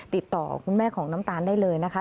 ติดต่อคุณแม่ของน้ำตาลได้เลยนะคะ